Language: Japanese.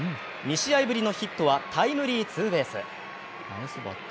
２試合ぶりのヒットはタイムリーツーベース。